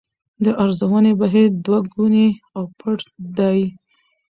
د ارزونې بهیر دوه ګونی او پټ دی.